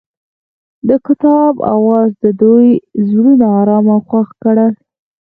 د کتاب اواز د دوی زړونه ارامه او خوښ کړل.